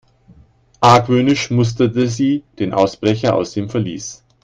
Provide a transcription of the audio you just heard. Argwöhnisch musterte sie den Ausbrecher aus dem Verlies.